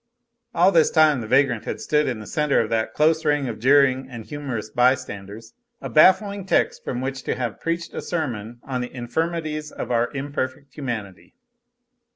All this time the vagrant had stood in the centre of that close ring of jeering and humorous bystanders a baffling text from which to have preached a sermon on the infirmities of our imperfect humanity.